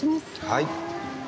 はい。